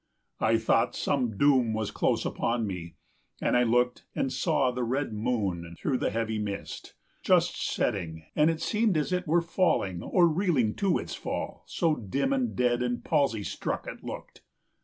I thought Some doom was close upon me, and I looked And saw the red moon through the heavy mist, Just setting, and it seemed as it were falling, Or reeling to its fall, so dim and dead 40 And palsy struck it looked.